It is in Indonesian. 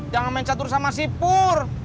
jangan main catur sama si pur